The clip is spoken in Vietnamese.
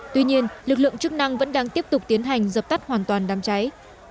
tuy nhiên lực lượng chức năng vẫn đang tiếp tục tiến hành dập tắt hoàn toàn đám cháy